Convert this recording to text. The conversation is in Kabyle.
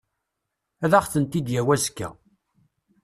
Ad aɣ-tent-id-yawi azekka.